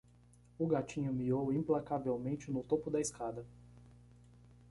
O gatinho miou implacavelmente no topo da escada.